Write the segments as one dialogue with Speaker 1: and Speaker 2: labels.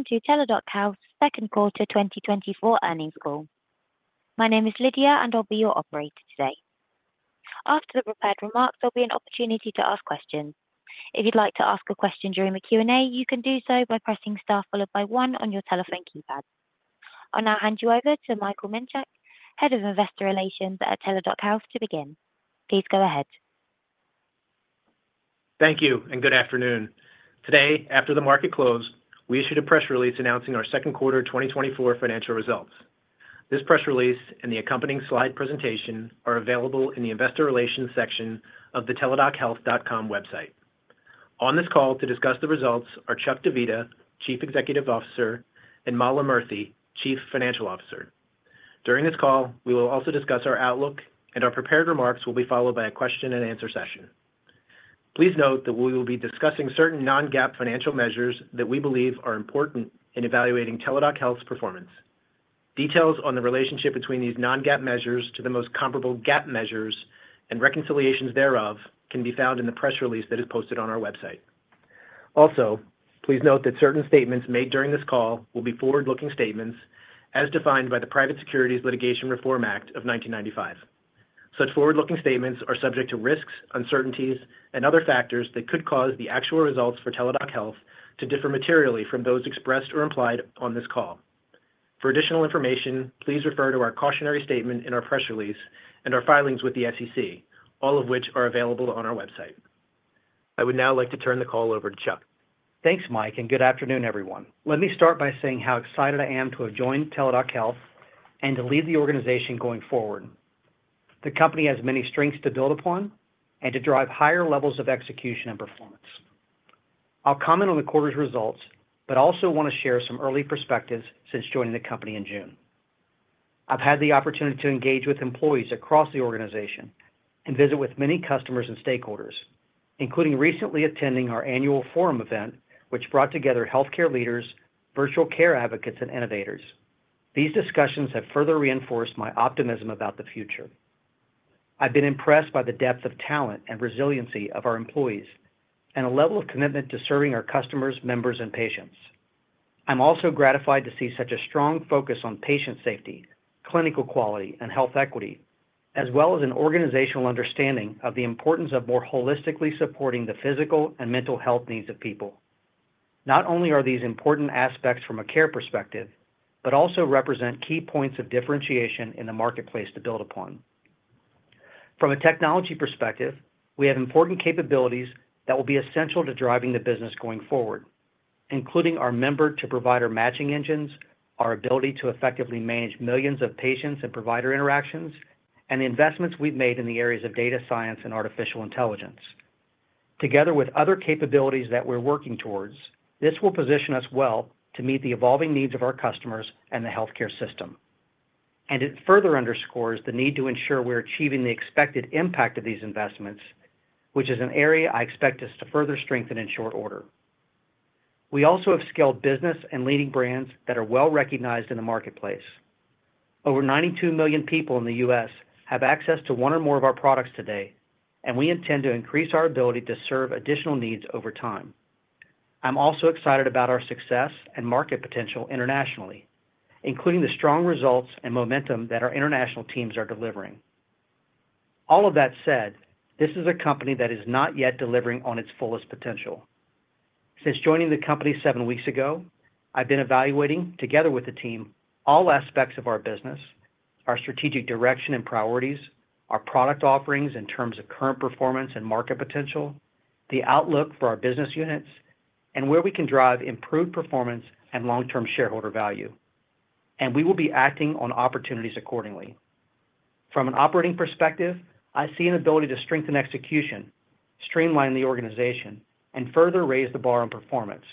Speaker 1: Welcome to Teladoc Health's Q2 2024 Earnings Call. My name is Lydia, and I'll be your operator today. After the prepared remarks, there'll be an opportunity to ask questions. If you'd like to ask a question during the Q&A, you can do so by pressing star followed by one on your telephone keypad. I'll now hand you over to Michael Minchak, Head of Investor Relations at Teladoc Health, to begin. Please go ahead.
Speaker 2: Thank you, and good afternoon. Today, after the market closed, we issued a press release announcing our Q2 2024 financial results. This press release and the accompanying slide presentation are available in the Investor Relations section of the teladoc.com website. On this call to discuss the results are Chuck Divita, Chief Executive Officer, and Mala Murthy, Chief Financial Officer. During this call, we will also discuss our outlook, and our prepared remarks will be followed by a question-and-answer session. Please note that we will be discussing certain non-GAAP financial measures that we believe are important in evaluating Teladoc Health's performance. Details on the relationship between these non-GAAP measures to the most comparable GAAP measures and reconciliations thereof can be found in the press release that is posted on our website. Also, please note that certain statements made during this call will be forward-looking statements, as defined by the Private Securities Litigation Reform Act of 1995. Such forward-looking statements are subject to risks, uncertainties, and other factors that could cause the actual results for Teladoc Health to differ materially from those expressed or implied on this call. For additional information, please refer to our cautionary statement in our press release and our filings with the SEC, all of which are available on our website. I would now like to turn the call over to Chuck.
Speaker 3: Thanks, Mike, and good afternoon, everyone. Let me start by saying how excited I am to have joined Teladoc Health and to lead the organization going forward. The company has many strengths to build upon and to drive higher levels of execution and performance. I'll comment on the quarter's results, but also want to share some early perspectives since joining the company in June. I've had the opportunity to engage with employees across the organization and visit with many customers and stakeholders, including recently attending our annual forum event, which brought together healthcare leaders, virtual care advocates, and innovators. These discussions have further reinforced my optimism about the future. I've been impressed by the depth of talent and resiliency of our employees and a level of commitment to serving our customers, members, and patients. I'm also gratified to see such a strong focus on patient safety, clinical quality, and health equity, as well as an organizational understanding of the importance of more holistically supporting the physical and mental health needs of people. Not only are these important aspects from a care perspective, but also represent key points of differentiation in the marketplace to build upon. From a technology perspective, we have important capabilities that will be essential to driving the business going forward, including our member-to-provider matching engines, our ability to effectively manage millions of patients and provider interactions, and the investments we've made in the areas of data science and artificial intelligence. Together with other capabilities that we're working towards, this will position us well to meet the evolving needs of our customers and the healthcare system. It further underscores the need to ensure we're achieving the expected impact of these investments, which is an area I expect us to further strengthen in short order. We also have scaled business and leading brands that are well recognized in the marketplace. Over 92 million people in the U.S. have access to one or more of our products today, and we intend to increase our ability to serve additional needs over time. I'm also excited about our success and market potential internationally, including the strong results and momentum that our international teams are delivering. All of that said, this is a company that is not yet delivering on its fullest potential. Since joining the company seven weeks ago, I've been evaluating, together with the team, all aspects of our business, our strategic direction and priorities, our product offerings in terms of current performance and market potential, the outlook for our business units, and where we can drive improved performance and long-term shareholder value. We will be acting on opportunities accordingly. From an operating perspective, I see an ability to strengthen execution, streamline the organization, and further raise the bar on performance.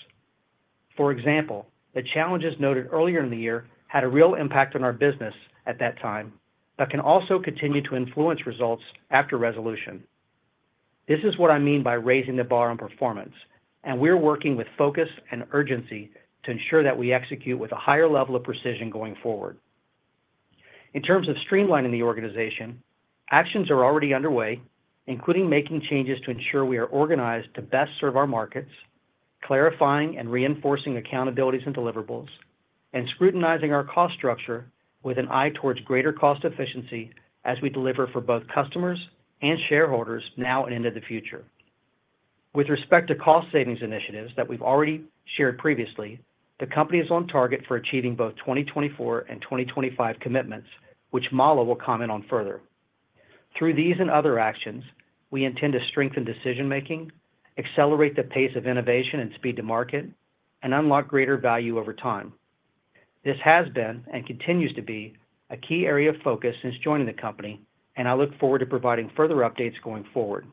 Speaker 3: For example, the challenges noted earlier in the year had a real impact on our business at that time but can also continue to influence results after resolution. This is what I mean by raising the bar on performance, and we're working with focus and urgency to ensure that we execute with a higher level of precision going forward. In terms of streamlining the organization, actions are already underway, including making changes to ensure we are organized to best serve our markets, clarifying and reinforcing accountabilities and deliverables, and scrutinizing our cost structure with an eye towards greater cost efficiency as we deliver for both customers and shareholders now and into the future. With respect to cost savings initiatives that we've already shared previously, the company is on target for achieving both 2024 and 2025 commitments, which Mala will comment on further. Through these and other actions, we intend to strengthen decision-making, accelerate the pace of innovation and speed to market, and unlock greater value over time. This has been and continues to be a key area of focus since joining the company, and I look forward to providing further updates going forward.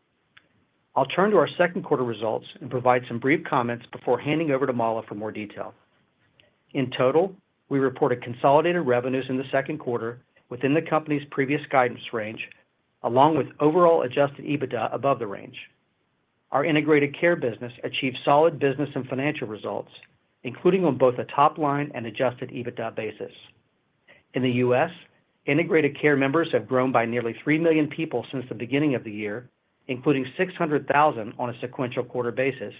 Speaker 3: I'll turn to our Q2 results and provide some brief comments before handing over to Mala for more detail. In total, we reported consolidated revenues in the Q2 within the company's previous guidance range, along with overall Adjusted EBITDA above the range. Our Integrated Care business achieved solid business and financial results, including on both a top-line and Adjusted EBITDA basis. In the U.S., Integrated Care members have grown by nearly 3 million people since the beginning of the year, including 600,000 on a sequential quarter basis.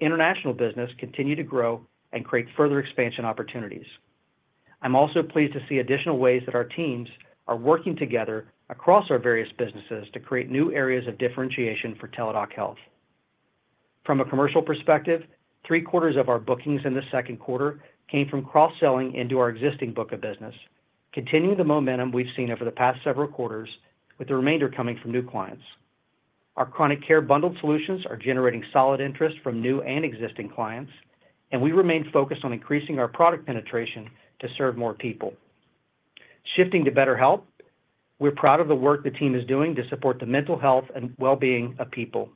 Speaker 3: International business continued to grow and create further expansion opportunities. I'm also pleased to see additional ways that our teams are working together across our various businesses to create new areas of differentiation for Teladoc Health. From a commercial perspective, three-quarters of our bookings in the Q2 came from cross-selling into our existing book of business, continuing the momentum we've seen over the past several quarters, with the remainder coming from new clients. Our Chronic Care bundled solutions are generating solid interest from new and existing clients, and we remain focused on increasing our product penetration to serve more people. Shifting to BetterHelp, we're proud of the work the team is doing to support the mental health and well-being of people.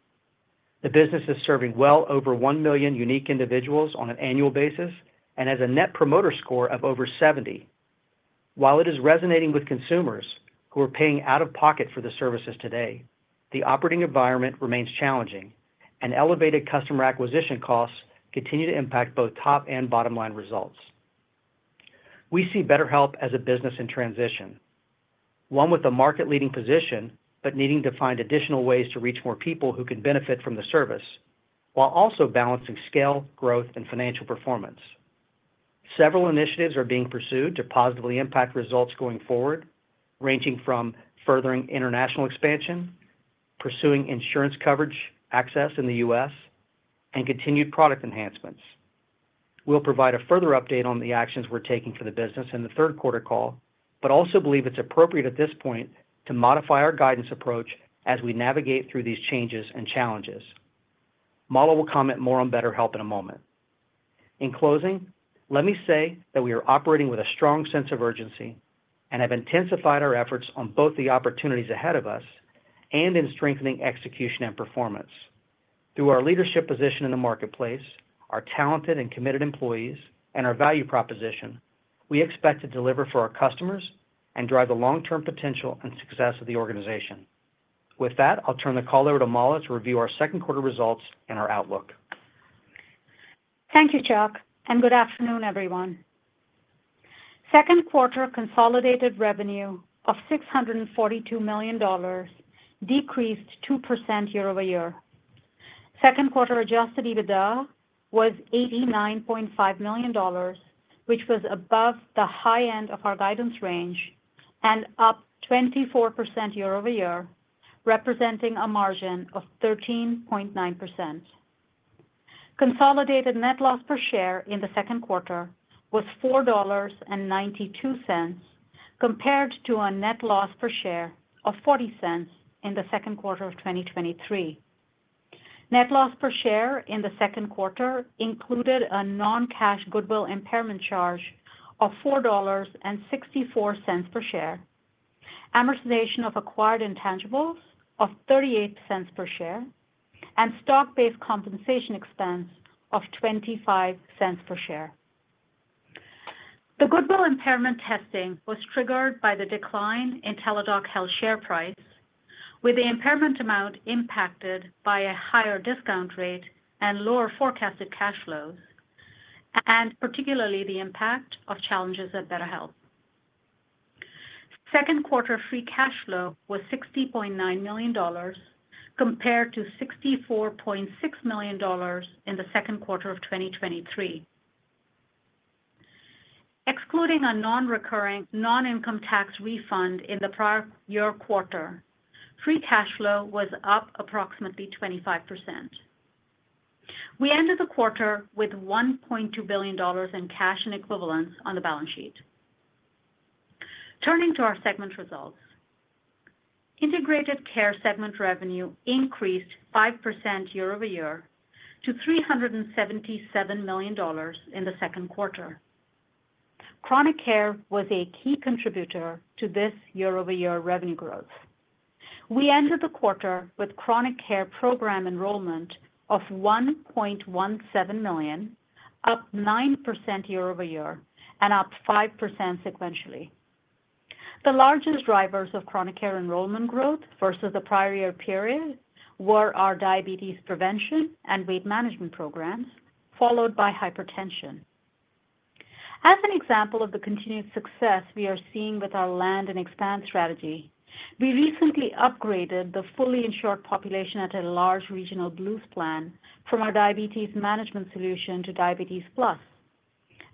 Speaker 3: The business is serving well over 1 million unique individuals on an annual basis and has a Net Promoter Score of over 70. While it is resonating with consumers who are paying out of pocket for the services today, the operating environment remains challenging, and elevated customer acquisition costs continue to impact both top and bottom-line results. We see BetterHelp as a business in transition, one with a market-leading position but needing to find additional ways to reach more people who can benefit from the service while also balancing scale, growth, and financial performance. Several initiatives are being pursued to positively impact results going forward, ranging from furthering international expansion, pursuing insurance coverage access in the U.S., and continued product enhancements. We'll provide a further update on the actions we're taking for the business in the Q3 call, but also believe it's appropriate at this point to modify our guidance approach as we navigate through these changes and challenges. Mala will comment more on BetterHelp in a moment. In closing, let me say that we are operating with a strong sense of urgency and have intensified our efforts on both the opportunities ahead of us and in strengthening execution and performance. Through our leadership position in the marketplace, our talented and committed employees, and our value proposition, we expect to deliver for our customers and drive the long-term potential and success of the organization. With that, I'll turn the call over to Mala to review our Q2 results and our outlook.
Speaker 4: Thank you, Chuck, and good afternoon, everyone. Q2 consolidated revenue of $642 million decreased 2% year-over-year. Q2 Adjusted EBITDA was $89.5 million, which was above the high end of our guidance range and up 24% year-over-year, representing a margin of 13.9%. Consolidated Net Loss per Share in the Q2 was $4.92 compared to a Net Loss per Share of $0.40 in the Q2 of 2023. Net Loss per Share in the Q2 included a non-cash Goodwill Impairment charge of $4.64 per share, amortization of acquired intangibles of $0.38 per share, and stock-based compensation expense of $0.25 per share. The Goodwill Impairment testing was triggered by the decline in Teladoc Health's share price, with the impairment amount impacted by a higher discount rate and lower forecasted cash flows, and particularly the impact of challenges at BetterHelp. Q2 free cash flow was $60.9 million compared to $64.6 million in the Q2 of 2023. Excluding a non-recurring non-income tax refund in the prior year quarter, free cash flow was up approximately 25%. We ended the quarter with $1.2 billion in cash and equivalents on the balance sheet. Turning to our segment results, Integrated Care segment revenue increased 5% year-over-year to $377 million in the Q2. Chronic Care was a key contributor to this year-over-year revenue growth. We ended the quarter with Chronic Care program enrollment of 1.17 million, up 9% year-over-year and up 5% sequentially. The largest drivers of Chronic Care enrollment growth versus the prior year period were our Diabetes prevention and Weight Management programs, followed by Hypertension. As an example of the continued success we are seeing with our land and expand strategy, we recently upgraded the fully insured population at a large regional Blues plan from our Diabetes Management solution to Diabetes Plus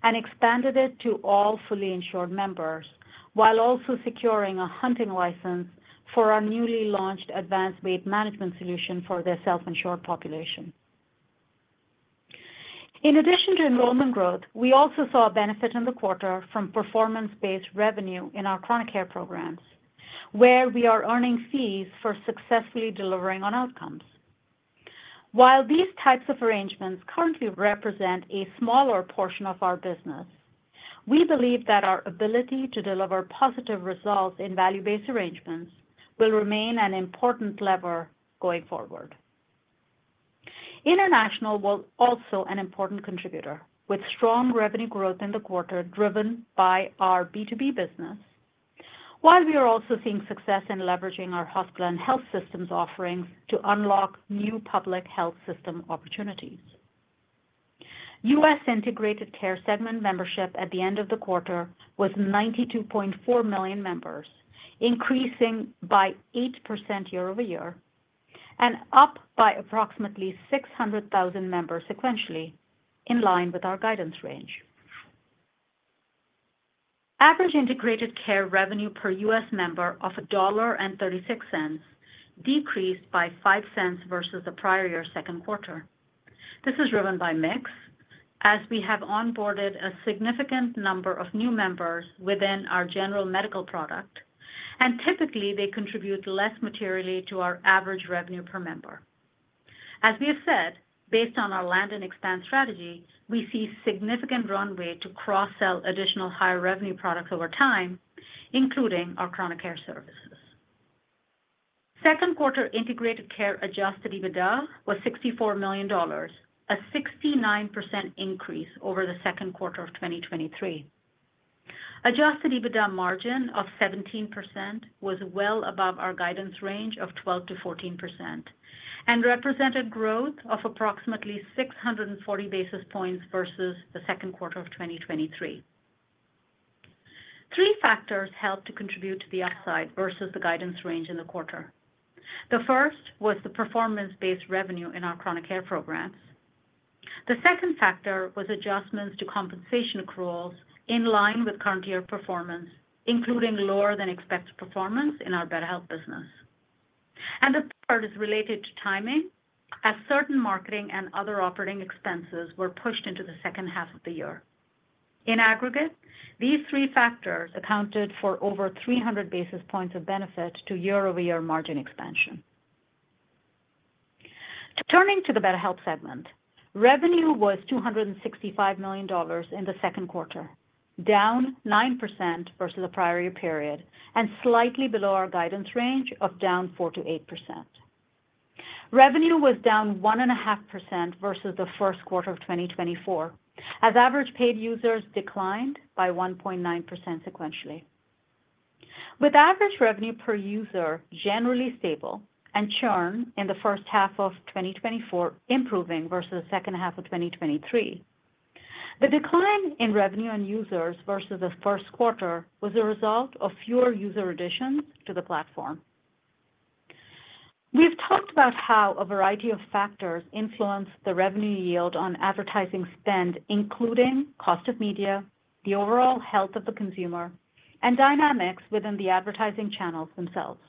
Speaker 4: and expanded it to all fully insured members while also securing a hunting license for our newly launched Advanced Weight Management solution for the self-insured population. In addition to enrollment growth, we also saw a benefit in the quarter from performance-based revenue in our Chronic Care programs, where we are earning fees for successfully delivering on outcomes. While these types of arrangements currently represent a smaller portion of our business, we believe that our ability to deliver positive results in value-based arrangements will remain an important lever going forward. International was also an important contributor, with strong revenue growth in the quarter driven by our B2B business, while we are also seeing success in leveraging our hospital and health systems offerings to unlock new public health system opportunities. U.S. integrated care segment membership at the end of the quarter was 92.4 million members, increasing by 8% year-over-year and up by approximately 600,000 members sequentially, in line with our guidance range. Average integrated care revenue per U.S. member of $1.36 decreased by 5% versus the prior year Q2. This is driven by mix as we have onboarded a significant number of new members within our general medical product, and typically they contribute less materially to our average revenue per member. As we have said, based on our land and expand strategy, we see significant runway to cross-sell additional higher revenue products over time, including our chronic care services. Q2 Integrated Care Adjusted EBITDA was $64 million, a 69% increase over the Q2 of 2023. Adjusted EBITDA margin of 17% was well above our guidance range of 12%-14% and represented growth of approximately 640 basis points versus the Q2 of 2023. Three factors helped to contribute to the upside versus the guidance range in the quarter. The first was the performance-based revenue in our Chronic Care programs. The second factor was adjustments to compensation accruals in line with current year performance, including lower-than-expected performance in our BetterHelp business. And the third is related to timing, as certain marketing and other operating expenses were pushed into the second half of the year. In aggregate, these three factors accounted for over 300 basis points of benefit to year-over-year margin expansion. Turning to the BetterHelp segment, revenue was $265 million in the Q2, down 9% versus the prior year period and slightly below our guidance range of down 4%-8%. Revenue was down 1.5% versus the Q1 of 2024, as average paid users declined by 1.9% sequentially. With average revenue per user generally stable and churn in the first half of 2024 improving versus the second half of 2023, the decline in revenue on users versus the Q1 was a result of fewer user additions to the platform. We've talked about how a variety of factors influence the revenue yield on advertising spend, including cost of media, the overall health of the consumer, and dynamics within the advertising channels themselves.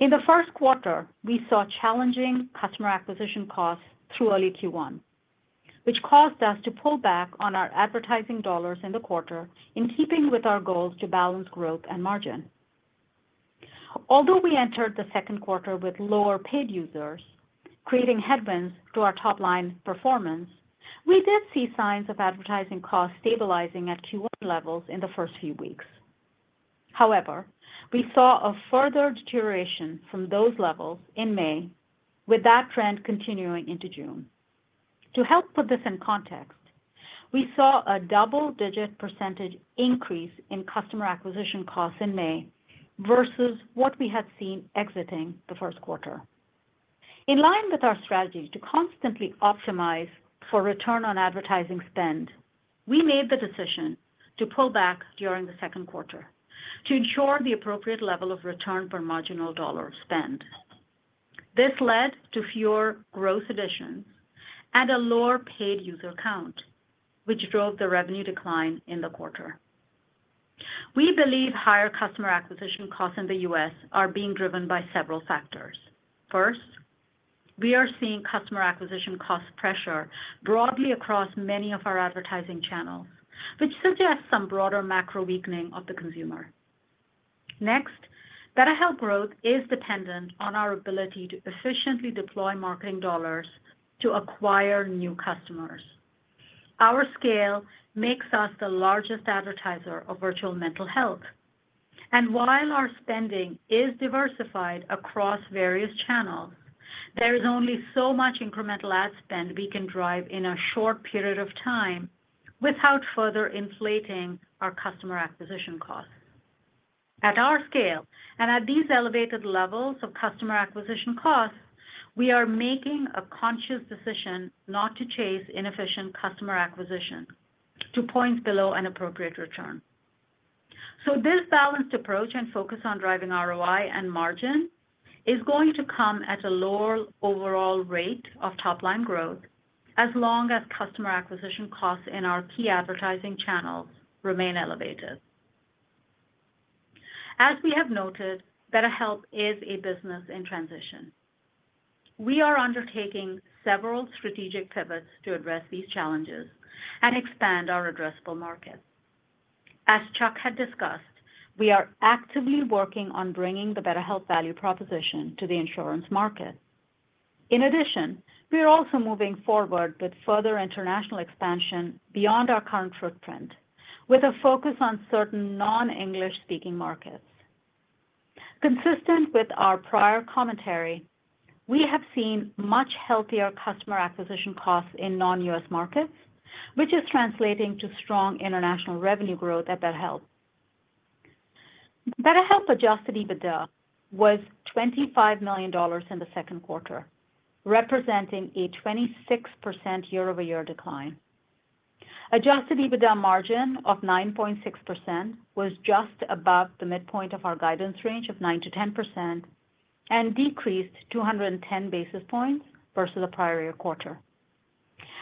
Speaker 4: In the Q1, we saw challenging customer acquisition costs through early Q1, which caused us to pull back on our advertising dollars in the quarter in keeping with our goals to balance growth and margin. Although we entered the Q2 with lower paid users, creating headwinds to our top-line performance, we did see signs of advertising costs stabilizing at Q1 levels in the first few weeks. However, we saw a further deterioration from those levels in May, with that trend continuing into June. To help put this in context, we saw a double-digit % increase in customer acquisition costs in May versus what we had seen exiting the Q1. In line with our strategy to constantly optimize for return on advertising spend, we made the decision to pull back during the Q2 to ensure the appropriate level of return per marginal dollar spend. This led to fewer gross additions and a lower paid user count, which drove the revenue decline in the quarter. We believe higher customer acquisition costs in the U.S. are being driven by several factors. First, we are seeing customer acquisition cost pressure broadly across many of our advertising channels, which suggests some broader macro weakening of the consumer. Next, BetterHelp growth is dependent on our ability to efficiently deploy marketing dollars to acquire new customers. Our scale makes us the largest advertiser of virtual mental health. And while our spending is diversified across various channels, there is only so much incremental ad spend we can drive in a short period of time without further inflating our customer acquisition costs. At our scale and at these elevated levels of customer acquisition costs, we are making a conscious decision not to chase inefficient customer acquisition to points below an appropriate return. This balanced approach and focus on driving ROI and margin is going to come at a lower overall rate of top-line growth as long as customer acquisition costs in our key advertising channels remain elevated. As we have noted, BetterHelp is a business in transition. We are undertaking several strategic pivots to address these challenges and expand our addressable market. As Chuck had discussed, we are actively working on bringing the BetterHelp value proposition to the insurance market. In addition, we are also moving forward with further international expansion beyond our current footprint, with a focus on certain non-English speaking markets. Consistent with our prior commentary, we have seen much healthier customer acquisition costs in non-U.S. markets, which is translating to strong international revenue growth at BetterHelp. BetterHelp Adjusted EBITDA was $25 million in the Q2, representing a 26% year-over-year decline. Adjusted EBITDA margin of 9.6% was just above the midpoint of our guidance range of 9%-10% and decreased 210 basis points versus the prior year quarter.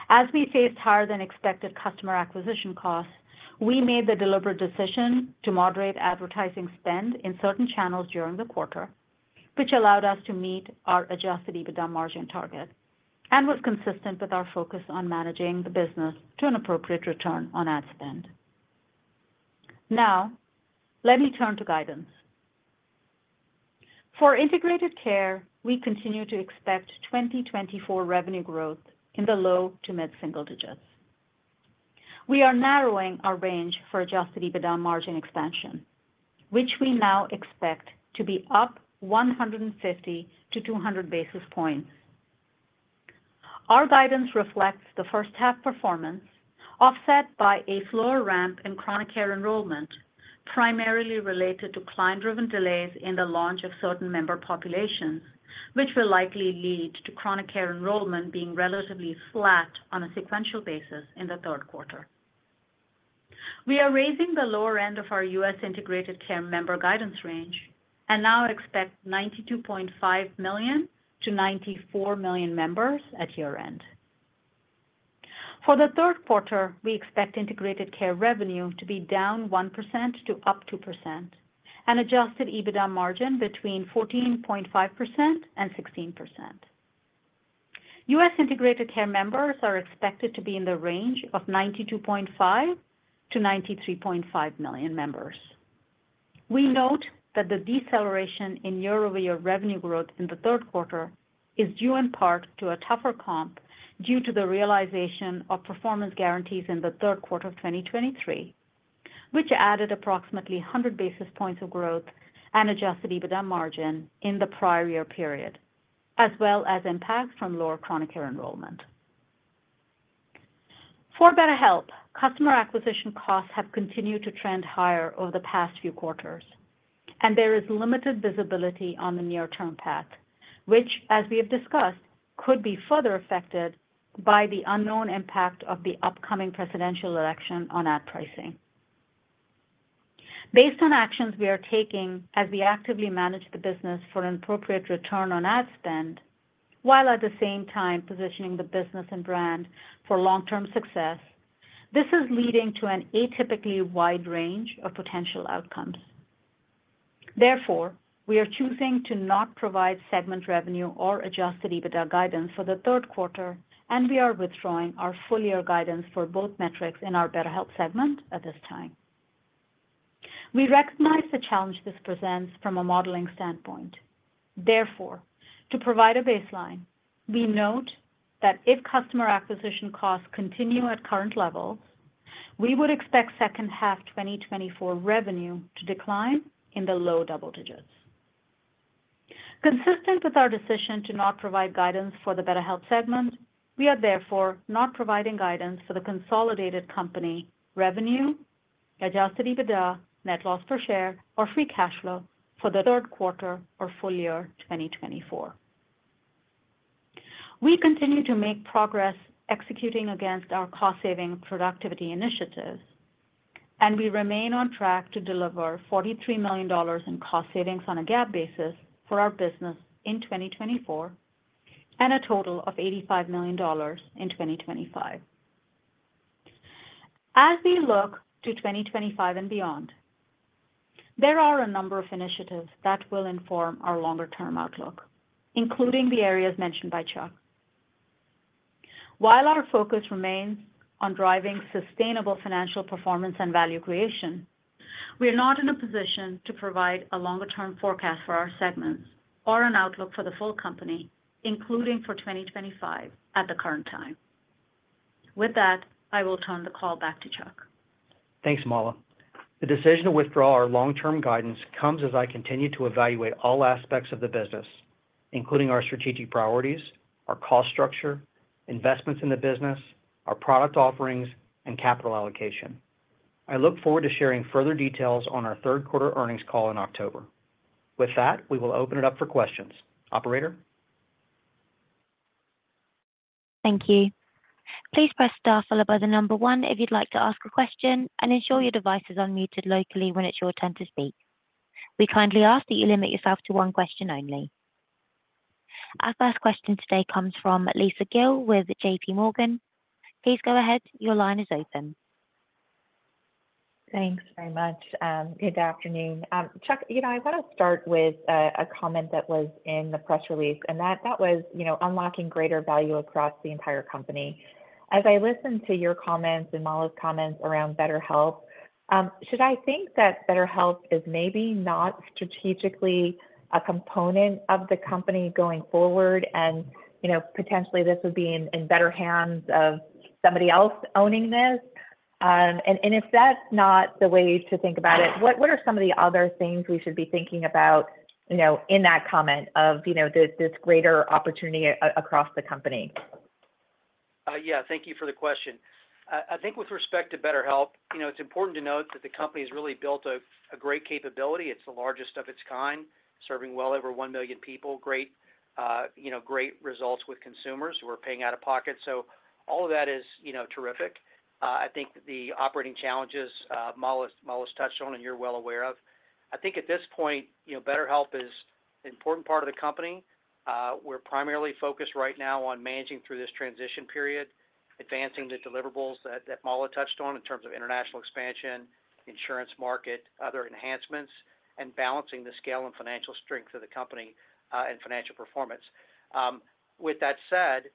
Speaker 4: As we faced higher-than-expected customer acquisition costs, we made the deliberate decision to moderate advertising spend in certain channels during the quarter, which allowed us to meet our Adjusted EBITDA margin target and was consistent with our focus on managing the business to an appropriate return on ad spend. Now, let me turn to guidance. For Integrated Care, we continue to expect 2024 revenue growth in the low to mid-single digits. We are narrowing our range for Adjusted EBITDA margin expansion, which we now expect to be up 150-200 basis points. Our guidance reflects the first-half performance offset by a slower ramp in Chronic Care enrollment, primarily related to client-driven delays in the launch of certain member populations, which will likely lead to Chronic Care enrollment being relatively flat on a sequential basis in the Q3. We are raising the lower end of our U.S. Integrated Care member guidance range and now expect 92.5-94 million members at year-end. For the Q3, we expect Integrated Care revenue to be -1% to +2% and Adjusted EBITDA margin between 14.5% and 16%. U.S. Integrated Care members are expected to be in the range of 92.5-93.5 million members. We note that the deceleration in year-over-year revenue growth in the Q3 is due in part to a tougher comp due to the realization of performance guarantees in the Q3 of 2023, which added approximately 100 basis points of growth and Adjusted EBITDA margin in the prior year period, as well as impacts from lower chronic care enrollment. For BetterHelp, customer acquisition costs have continued to trend higher over the past few quarters, and there is limited visibility on the near-term path, which, as we have discussed, could be further affected by the unknown impact of the upcoming presidential election on ad pricing. Based on actions we are taking as we actively manage the business for an appropriate return on ad spend, while at the same time positioning the business and brand for long-term success, this is leading to an atypically wide range of potential outcomes. Therefore, we are choosing to not provide segment revenue or Adjusted EBITDA guidance for the Q3, and we are withdrawing our full-year guidance for both metrics in our BetterHelp segment at this time. We recognize the challenge this presents from a modeling standpoint. Therefore, to provide a baseline, we note that if Customer Acquisition Costs continue at current levels, we would expect second half 2024 revenue to decline in the low double digits. Consistent with our decision to not provide guidance for the BetterHelp segment, we are therefore not providing guidance for the consolidated company revenue, Adjusted EBITDA, Net Loss Per Share, or Free Cash Flow for the Q3 or full year 2024. We continue to make progress executing against our cost-saving productivity initiatives, and we remain on track to deliver $43 million in cost savings on a GAAP basis for our business in 2024 and a total of $85 million in 2025. As we look to 2025 and beyond, there are a number of initiatives that will inform our longer-term outlook, including the areas mentioned by Chuck. While our focus remains on driving sustainable financial performance and value creation, we are not in a position to provide a longer-term forecast for our segments or an outlook for the full company, including for 2025 at the current time. With that, I will turn the call back to Chuck.
Speaker 3: Thanks, Mala. The decision to withdraw our long-term guidance comes as I continue to evaluate all aspects of the business, including our strategic priorities, our cost structure, investments in the business, our product offerings, and capital allocation. I look forward to sharing further details on our third-quarter Earnings Call in October. With that, we will open it up for questions. Operator?
Speaker 1: Thank you. Please press star followed by the number one if you'd like to ask a question and ensure your device is unmuted locally when it's your turn to speak. We kindly ask that you limit yourself to one question only. Our first question today comes from Lisa Gill with J.P. Morgan. Please go ahead. Your line is open.
Speaker 5: Thanks very much. Good afternoon. Chuck, I want to start with a comment that was in the press release, and that was unlocking greater value across the entire company. As I listen to your comments and Mala's comments around BetterHelp, should I think that BetterHelp is maybe not strategically a component of the company going forward and potentially this would be in better hands of somebody else owning this? And if that's not the way to think about it, what are some of the other things we should be thinking about in that comment of this greater opportunity across the company?
Speaker 3: Yeah, thank you for the question. I think with respect to BetterHelp, it's important to note that the company has really built a great capability. It's the largest of its kind, serving well over 1 million people, great results with consumers who are paying out of pocket. So all of that is terrific. I think the operating challenges Mala's touched on and you're well aware of. I think at this point, BetterHelp is an important part of the company. We're primarily focused right now on managing through this transition period, advancing the deliverables that Mala touched on in terms of international expansion, insurance market, other enhancements, and balancing the scale and financial strength of the company and financial performance. With that said,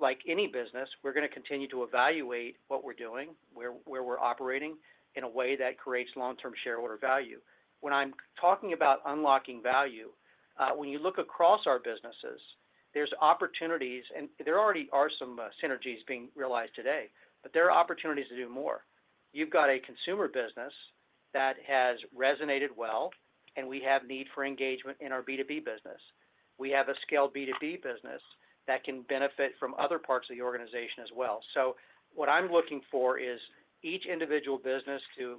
Speaker 3: like any business, we're going to continue to evaluate what we're doing, where we're operating in a way that creates long-term shareholder value. When I'm talking about unlocking value, when you look across our businesses, there's opportunities, and there already are some synergies being realized today, but there are opportunities to do more. You've got a consumer business that has resonated well, and we have need for engagement in our B2B business. We have a scaled B2B business that can benefit from other parts of the organization as well. So what I'm looking for is each individual business to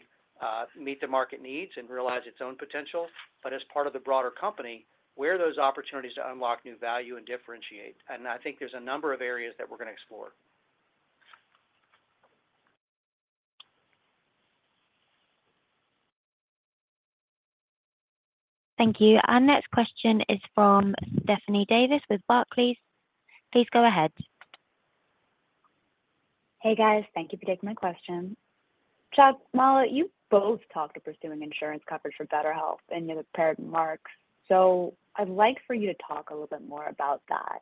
Speaker 3: meet the market needs and realize its own potential, but as part of the broader company, where are those opportunities to unlock new value and differentiate? And I think there's a number of areas that we're going to explore.
Speaker 1: Thank you. Our next question is from Stephanie Davis with Barclays. Please go ahead.
Speaker 6: Hey, guys. Thank you for taking my question. Chuck, Mala, you both talked of pursuing insurance coverage for BetterHelp and you prepared remarks. So I'd like for you to talk a little bit more about that.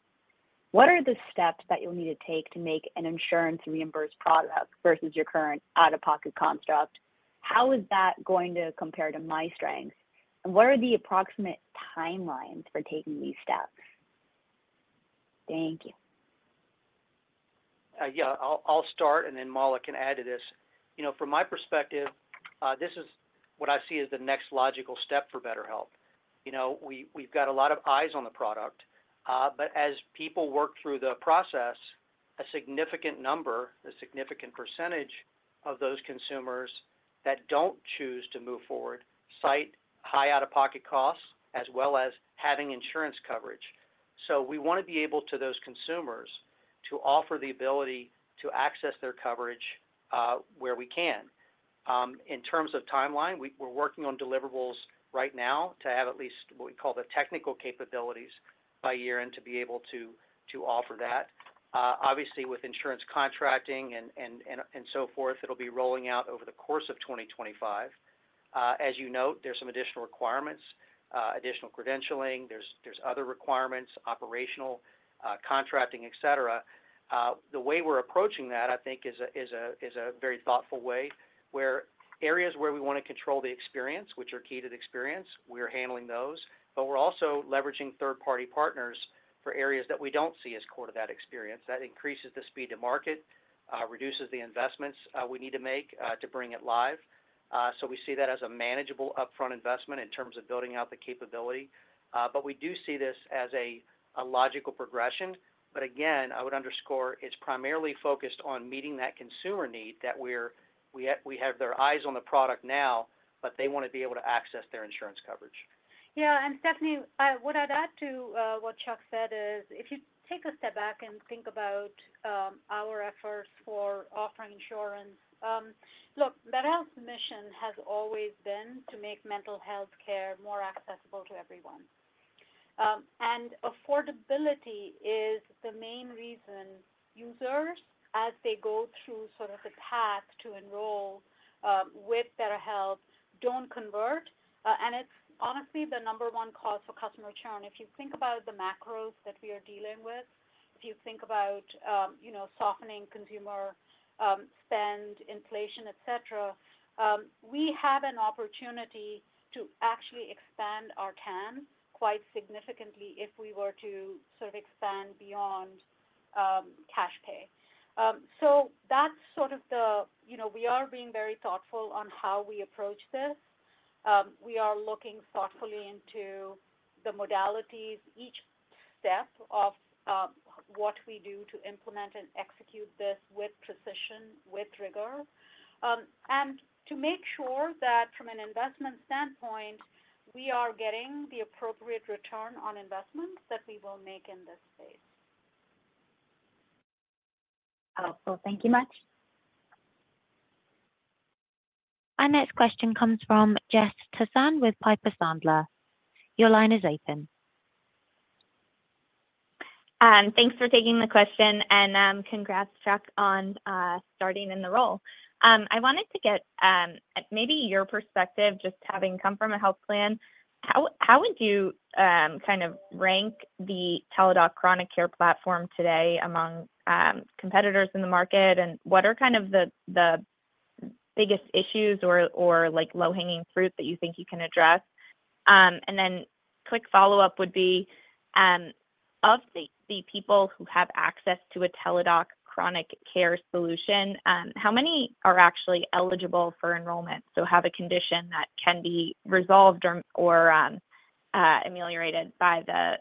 Speaker 6: What are the steps that you'll need to take to make an insurance reimbursed product versus your current out-of-pocket construct? How is that going to compare to my strengths? And what are the approximate timelines for taking these steps? Thank you.
Speaker 3: Yeah, I'll start, and then Mala can add to this. From my perspective, this is what I see as the next logical step for BetterHelp. We've got a lot of eyes on the product, but as people work through the process, a significant number, a significant percentage of those consumers that don't choose to move forward cite high out-of-pocket costs as well as having insurance coverage. So we want to be able to those consumers to offer the ability to access their coverage where we can. In terms of timeline, we're working on deliverables right now to have at least what we call the technical capabilities by year-end to be able to offer that. Obviously, with insurance contracting and so forth, it'll be rolling out over the course of 2025. As you note, there's some additional requirements, additional credentialing, there's other requirements, operational contracting, etc. The way we're approaching that, I think, is a very thoughtful way where areas where we want to control the experience, which are key to the experience, we're handling those, but we're also leveraging third-party partners for areas that we don't see as core to that experience. That increases the speed to market, reduces the investments we need to make to bring it live. So we see that as a manageable upfront investment in terms of building out the capability. But we do see this as a logical progression. But again, I would underscore it's primarily focused on meeting that consumer need that we have their eyes on the product now, but they want to be able to access their insurance coverage. Yeah.
Speaker 4: And, Stephanie, what I would add to what Chuck said is, if you take a step back and think about our efforts for offering insurance, look, BetterHelp's mission has always been to make mental healthcare more accessible to everyone. And affordability is the main reason users, as they go through sort of the path to enroll with BetterHelp, don't convert. And it's honestly the number one cause for customer churn. If you think about the macros that we are dealing with, if you think about softening consumer spend, inflation, etc., we have an opportunity to actually expand our CAC quite significantly if we were to sort of expand beyond cash pay. So that's sort of the—we are being very thoughtful on how we approach this. We are looking thoughtfully into the modalities, each step of what we do to implement and execute this with precision, with rigor, and to make sure that from an investment standpoint, we are getting the appropriate return on investment that we will make in this space.
Speaker 6: Awesome. Thank you much.
Speaker 1: Our next question comes from Jessica Tassan with Piper Sandler. Your line is open.
Speaker 7: Thanks for taking the question, and congrats, Chuck, on starting in the role. I wanted to get maybe your perspective, just having come from a health plan. How would you kind of rank the Teladoc Chronic Care platform today among competitors in the market, and what are kind of the biggest issues or low-hanging fruit that you think you can address? And then quick follow-up would be, of the people who have access to a Teladoc Chronic Care solution, how many are actually eligible for enrollment? So have a condition that can be resolved or ameliorated by the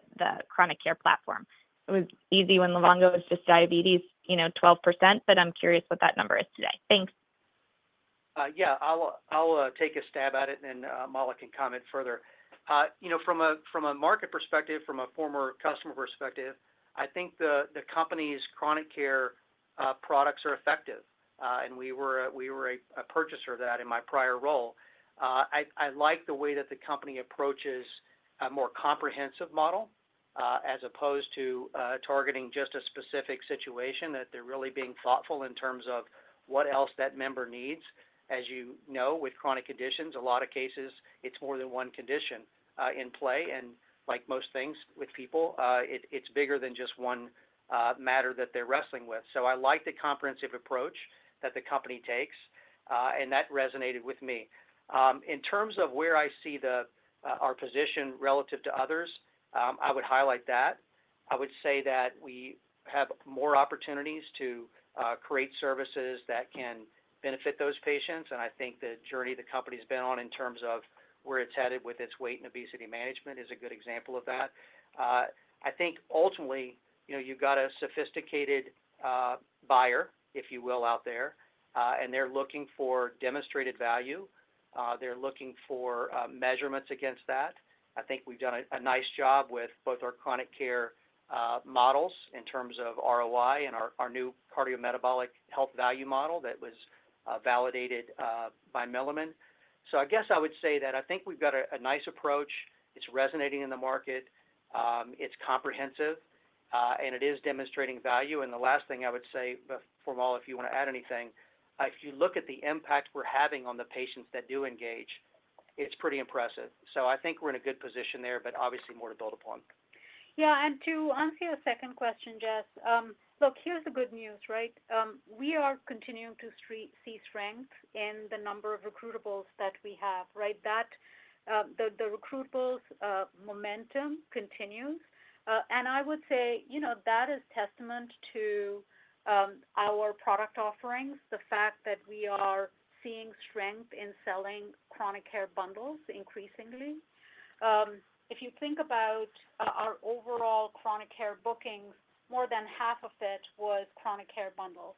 Speaker 7: Chronic Care platform? It was easy when the longest was just diabetes, 12%, but I'm curious what that number is today. Thanks.
Speaker 3: Yeah, I'll take a stab at it, and then Mala can comment further. From a market perspective, from a former customer perspective, I think the company's Chronic Care products are effective, and we were a purchaser of that in my prior role. I like the way that the company approaches a more comprehensive model as opposed to targeting just a specific situation, that they're really being thoughtful in terms of what else that member needs. As you know, with chronic conditions, a lot of cases, it's more than one condition in play. And like most things with people, it's bigger than just one matter that they're wrestling with. So I like the comprehensive approach that the company takes, and that resonated with me. In terms of where I see our position relative to others, I would highlight that. I would say that we have more opportunities to create services that can benefit those patients. I think the journey the company's been on in terms of where it's headed with its weight and obesity management is a good example of that. I think ultimately, you've got a sophisticated buyer, if you will, out there, and they're looking for demonstrated value. They're looking for measurements against that. I think we've done a nice job with both our Chronic Care models in terms of ROI and our new Cardiometabolic Health Value Model that was validated by Milliman. I guess I would say that I think we've got a nice approach. It's resonating in the market. It's comprehensive, and it is demonstrating value. The last thing I would say, Mala, if you want to add anything, if you look at the impact we're having on the patients that do engage, it's pretty impressive. So I think we're in a good position there, but obviously more to build upon.
Speaker 4: Yeah. To answer your second question, Jess, look, here's the good news, right? We are continuing to see strength in the number of recruitables that we have, right? The recruitables momentum continues. I would say that is testament to our product offerings, the fact that we are seeing strength in selling chronic care bundles increasingly. If you think about our overall chronic care bookings, more than half of it was chronic care bundles.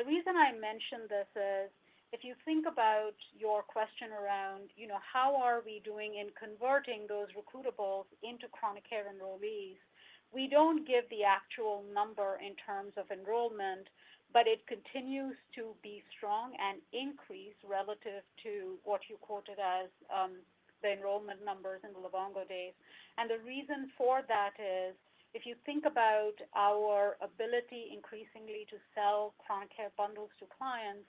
Speaker 4: The reason I mentioned this is if you think about your question around how are we doing in converting those recruitables into chronic care enrollees, we don't give the actual number in terms of enrollment, but it continues to be strong and increase relative to what you quoted as the enrollment numbers in the Livongo days. And the reason for that is if you think about our ability increasingly to sell chronic care bundles to clients,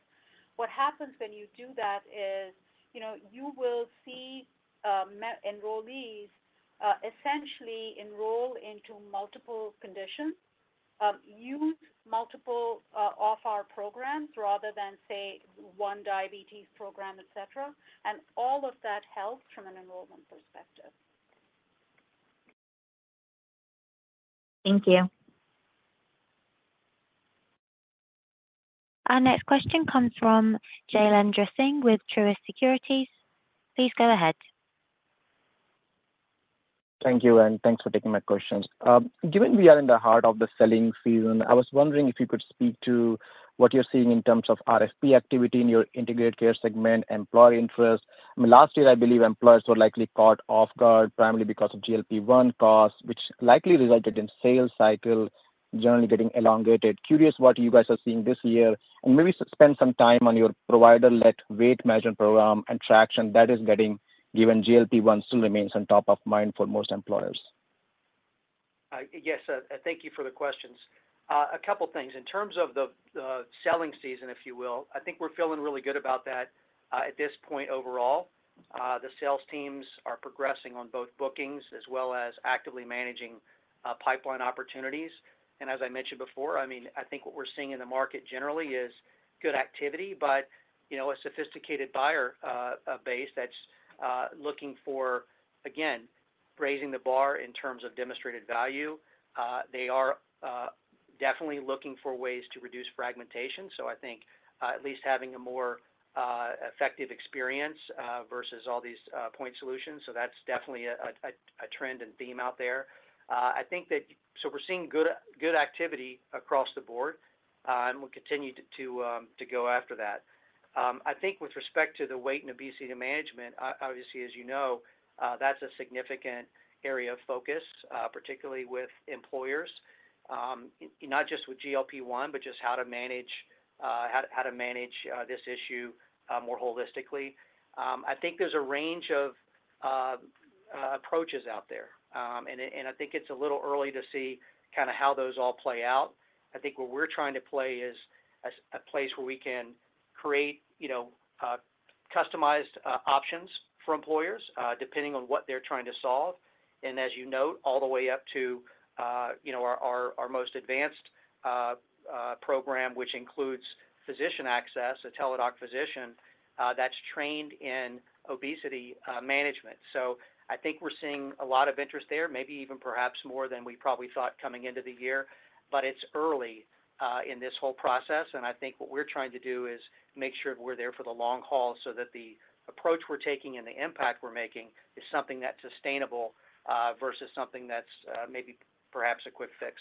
Speaker 4: what happens when you do that is you will see enrollees essentially enroll into multiple conditions, use multiple of our programs rather than, say, one diabetes program, etc. And all of that helps from an enrollment perspective.
Speaker 7: Thank you.
Speaker 1: Our next question comes from Jailendra Singh with Truist Securities. Please go ahead.
Speaker 8: Thank you, and thanks for taking my questions. Given we are in the heart of the selling season, I was wondering if you could speak to what you're seeing in terms of RFP activity in your Integrated Care segment, employer interest. Last year, I believe employers were likely caught off guard primarily because of GLP-1 costs, which likely resulted in sales cycle generally getting elongated. Curious what you guys are seeing this year. And maybe spend some time on your provider-led Weight Management program and traction that is getting given GLP-1 still remains on top of mind for most employers.
Speaker 3: Yes, thank you for the questions. A couple of things. In terms of the selling season, if you will, I think we're feeling really good about that at this point overall. The sales teams are progressing on both bookings as well as actively managing pipeline opportunities. As I mentioned before, I mean, I think what we're seeing in the market generally is good activity, but a sophisticated buyer base that's looking for, again, raising the bar in terms of demonstrated value. They are definitely looking for ways to reduce fragmentation. So I think at least having a more effective experience versus all these point solutions. So that's definitely a trend and theme out there. I think that so we're seeing good activity across the board, and we'll continue to go after that. I think with respect to the weight and obesity management, obviously, as you know, that's a significant area of focus, particularly with employers, not just with GLP-1, but just how to manage how to manage this issue more holistically. I think there's a range of approaches out there, and I think it's a little early to see kind of how those all play out. I think what we're trying to play is a place where we can create customized options for employers depending on what they're trying to solve. And as you note, all the way up to our most advanced program, which includes physician access, a Teladoc physician that's trained in obesity management. So I think we're seeing a lot of interest there, maybe even perhaps more than we probably thought coming into the year, but it's early in this whole process. And I think what we're trying to do is make sure we're there for the long haul so that the approach we're taking and the impact we're making is something that's sustainable versus something that's maybe perhaps a quick fix.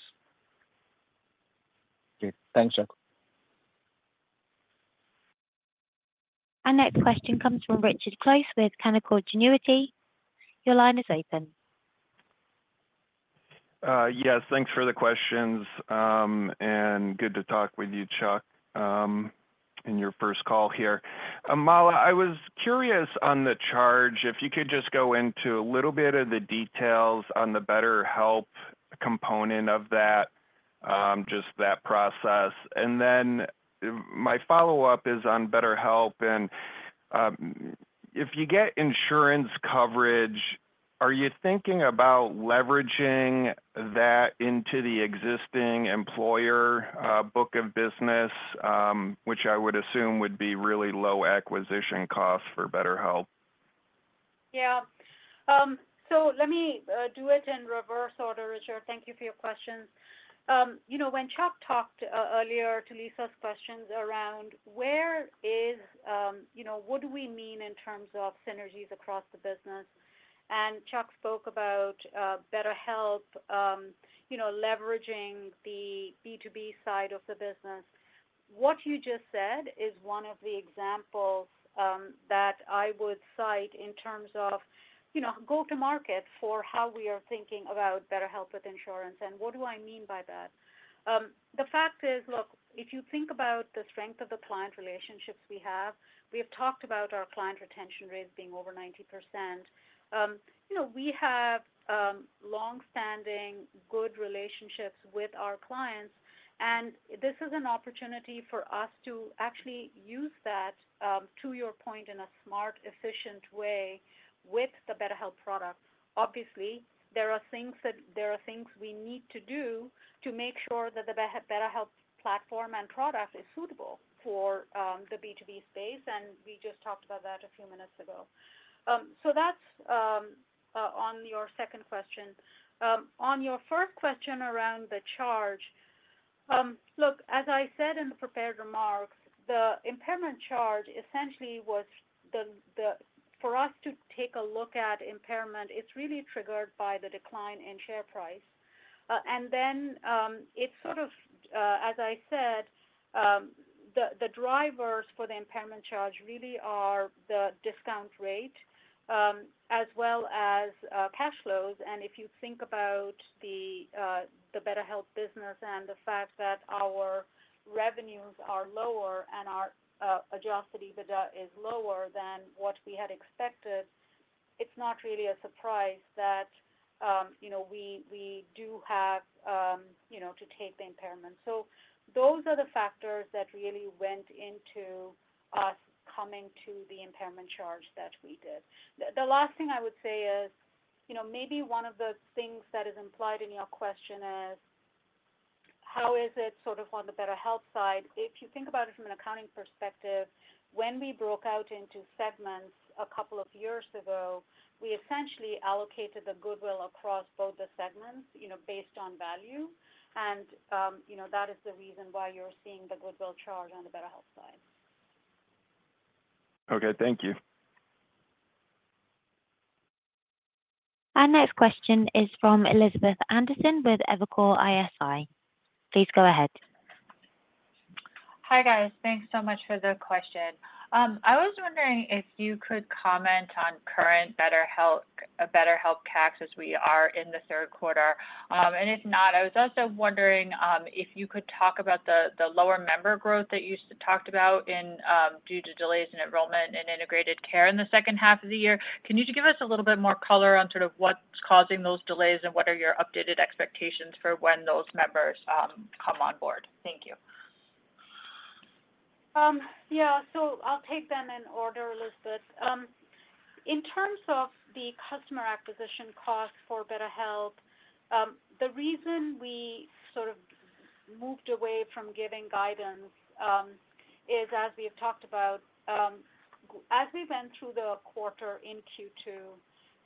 Speaker 8: Okay. Thanks, Chuck.
Speaker 1: Our next question comes from Richard Close with Canaccord Genuity. Your line is open.
Speaker 9: Yes, thanks for the questions, and good to talk with you, Chuck, in your first call here. Mala, I was curious on the charge, if you could just go into a little bit of the details on the BetterHelp component of that, just that process. And then my follow-up is on BetterHelp. And if you get insurance coverage, are you thinking about leveraging that into the existing employer book of business, which I would assume would be really low acquisition costs for BetterHelp?
Speaker 4: Yeah. So let me do it in reverse order, Richard. Thank you for your questions. When Chuck talked earlier to Lisa's questions around where is what do we mean in terms of synergies across the business? And Chuck spoke about BetterHelp leveraging the B2B side of the business. What you just said is one of the examples that I would cite in terms of go-to-market for how we are thinking about Better Help with insurance, and what do I mean by that? The fact is, look, if you think about the strength of the client relationships we have, we have talked about our client retention rates being over 90%. We have long-standing good relationships with our clients, and this is an opportunity for us to actually use that, to your point, in a smart, efficient way with the Better Help product. Obviously, there are things we need to do to make sure that the Better Help platform and product is suitable for the B2B space, and we just talked about that a few minutes ago. So that's on your second question. On your first question around the charge, look, as I said in the prepared remarks, the impairment charge essentially was for us to take a look at impairment. It's really triggered by the decline in share price. And then it's sort of, as I said, the drivers for the impairment charge really are the discount rate as well as cash flows. And if you think about the BetterHelp business and the fact that our revenues are lower and our Adjusted EBITDA is lower than what we had expected, it's not really a surprise that we do have to take the impairment. So those are the factors that really went into us coming to the impairment charge that we did. The last thing I would say is maybe one of the things that is implied in your question is how is it sort of on the BetterHelp side. If you think about it from an accounting perspective, when we broke out into segments a couple of years ago, we essentially allocated the goodwill across both the segments based on value, and that is the reason why you're seeing the goodwill charge on the BetterHelp side.
Speaker 9: Okay. Thank you.
Speaker 1: Our next question is from Elizabeth Anderson with Evercore ISI. Please go ahead.
Speaker 10: Hi, guys. Thanks so much for the question. I was wondering if you could comment on current BetterHelp tax as we are in the Q3. And if not, I was also wondering if you could talk about the lower member growth that you talked about due to delays in enrollment in Integrated Care in the second half of the year. Can you give us a little bit more color on sort of what's causing those delays and what are your updated expectations for when those members come on board? Thank you.
Speaker 4: Yeah. So I'll take them in order, Elizabeth. In terms of the customer acquisition cost for BetterHelp, the reason we sort of moved away from giving guidance is, as we have talked about, as we went through the quarter in Q2,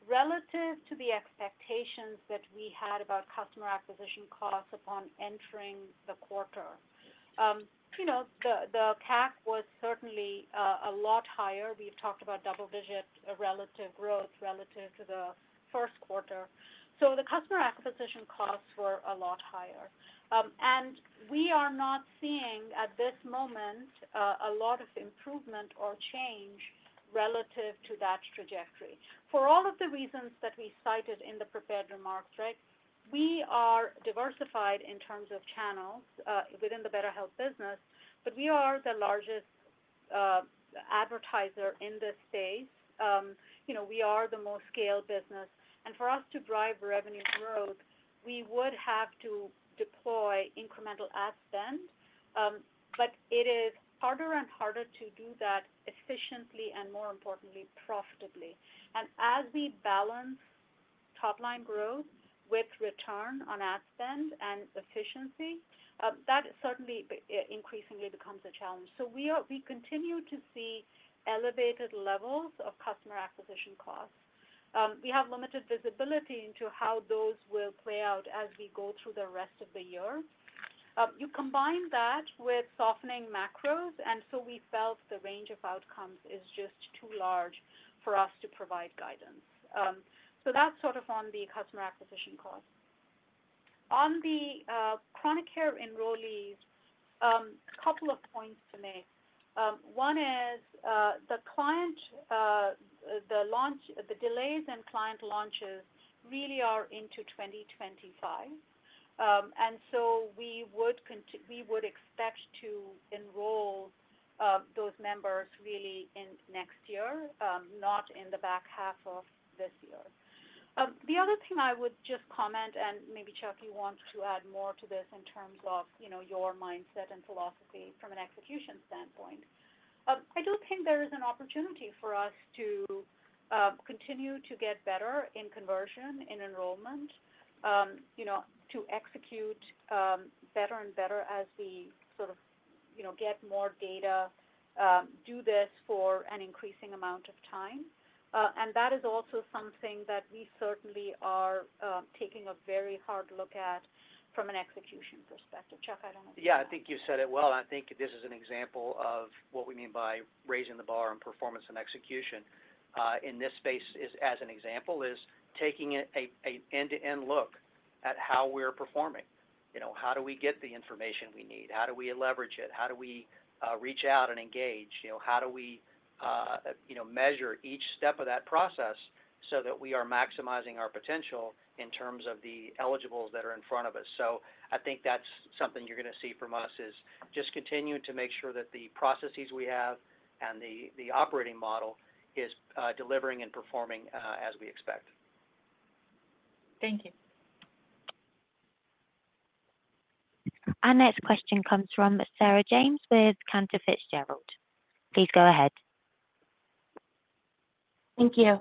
Speaker 4: relative to the expectations that we had about customer acquisition costs upon entering the quarter, the CAC was certainly a lot higher. We've talked about double-digit relative growth relative to the Q1. So the customer acquisition costs were a lot higher. And we are not seeing at this moment a lot of improvement or change relative to that trajectory for all of the reasons that we cited in the prepared remarks, right? We are diversified in terms of channels within the BetterHelp business, but we are the largest advertiser in this space. We are the most scaled business. And for us to drive revenue growth, we would have to deploy incremental ad spend, but it is harder and harder to do that efficiently and, more importantly, profitably. And as we balance top-line growth with return on ad spend and efficiency, that certainly increasingly becomes a challenge. So we continue to see elevated levels of customer acquisition costs. We have limited visibility into how those will play out as we go through the rest of the year. You combine that with softening macros, and so we felt the range of outcomes is just too large for us to provide guidance. So that's sort of on the customer acquisition cost. On the Chronic Care enrollees, a couple of points to make. One is the client, the delays in client launches really are into 2025. And so we would expect to enroll those members really in next year, not in the back half of this year. The other thing I would just comment, and maybe Chuck, you want to add more to this in terms of your mindset and philosophy from an execution standpoint. I do think there is an opportunity for us to continue to get better in conversion, in enrollment, to execute better and better as we sort of get more data, do this for an increasing amount of time. And that is also something that we certainly are taking a very hard look at from an execution perspective. Chuck, I don't know.
Speaker 3: Yeah. I think you said it well. I think this is an example of what we mean by raising the bar on performance and execution in this space as an example is taking an end-to-end look at how we're performing. How do we get the information we need? How do we leverage it? How do we reach out and engage? How do we measure each step of that process so that we are maximizing our potential in terms of the eligibles that are in front of us? So I think that's something you're going to see from us is just continue to make sure that the processes we have and the operating model is delivering and performing as we expect.
Speaker 10: Thank you.
Speaker 1: Our next question comes from Sarah James with Cantor Fitzgerald. Please go ahead.
Speaker 11: Thank you.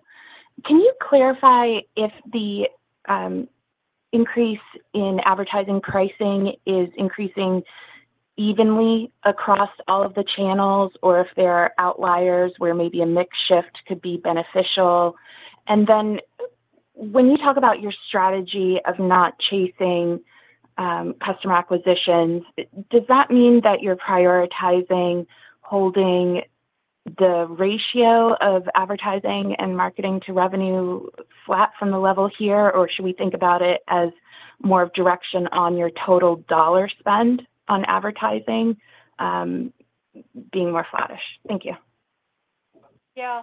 Speaker 11: Can you clarify if the increase in advertising pricing is increasing evenly across all of the channels or if there are outliers where maybe a mix shift could be beneficial? And then when you talk about your strategy of not chasing customer acquisitions, does that mean that you're prioritizing holding the ratio of advertising and marketing to revenue flat from the level here, or should we think about it as more of direction on your total dollar spend on advertising being more flattish? Thank you.
Speaker 4: Yeah.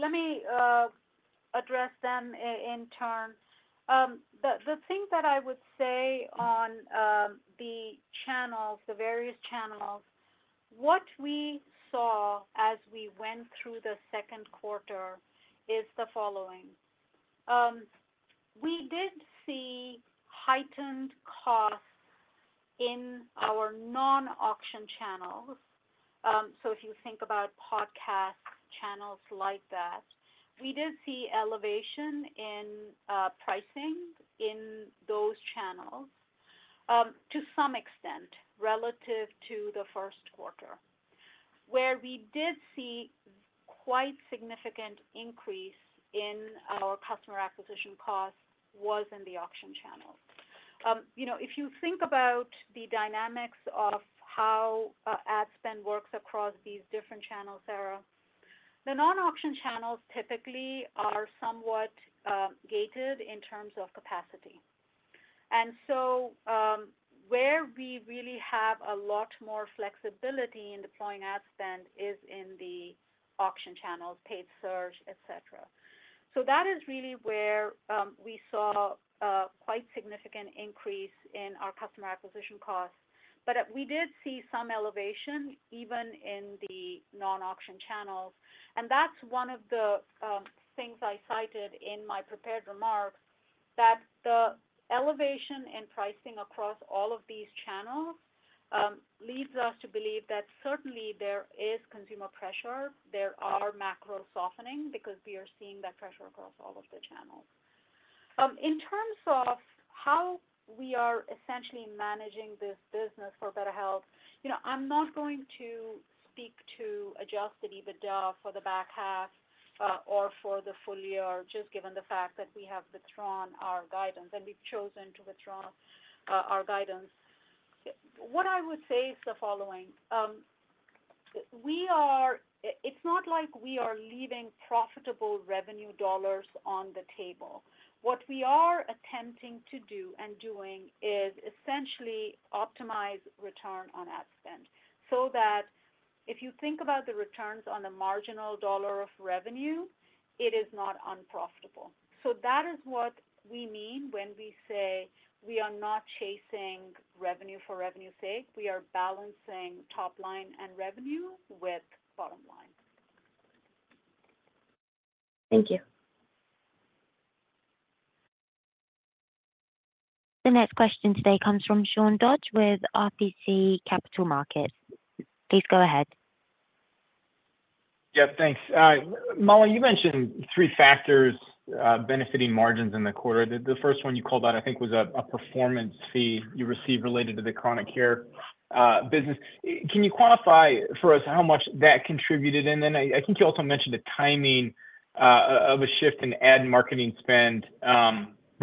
Speaker 4: Let me address them in turn. The thing that I would say on the channels, the various channels, what we saw as we went through the Q2 is the following. We did see heightened costs in our non-auction channels. So if you think about podcast channels like that, we did see elevation in pricing in those channels to some extent relative to the Q1. Where we did see quite significant increase in our customer acquisition costs was in the auction channels. If you think about the dynamics of how ad spend works across these different channels, Sarah, the non-auction channels typically are somewhat gated in terms of capacity. And so where we really have a lot more flexibility in deploying ad spend is in the auction channels, paid search, etc. So that is really where we saw quite significant increase in our customer acquisition costs. But we did see some elevation even in the non-auction channels. And that's one of the things I cited in my prepared remarks that the elevation in pricing across all of these channels leads us to believe that certainly there is consumer pressure. There are macro softening because we are seeing that pressure across all of the channels. In terms of how we are essentially managing this business for BetterHelp, I'm not going to speak to adjusted EBITDA for the back half or for the full year just given the fact that we have withdrawn our guidance and we've chosen to withdraw our guidance. What I would say is the following. It's not like we are leaving profitable revenue dollars on the table. What we are attempting to do and doing is essentially optimize return on ad spend so that if you think about the returns on the marginal dollar of revenue, it is not unprofitable. So that is what we mean when we say we are not chasing revenue for revenue's sake. We are balancing top-line and revenue with bottom line.
Speaker 11: Thank you.
Speaker 1: The next question today comes from Sean Dodge with RBC Capital Markets. Please go ahead.
Speaker 12: Yeah. Thanks. Mala, you mentioned three factors benefiting margins in the quarter. The first one you called out, I think, was a performance fee you received related to the chronic care business. Can you quantify for us how much that contributed? And then I think you also mentioned the timing of a shift in ad marketing spend